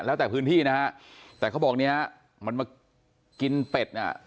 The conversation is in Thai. แล้วแต่พื้นที่นะฮะแต่เขาบอกเนี้ยมันมากินเป็ดอ่ะ